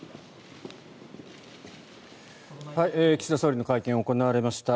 岸田総理の会見が行われました。